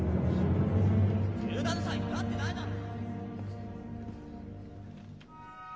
・１７歳になってないだろ！